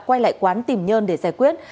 quay lại quán tìm nhân để giải quyết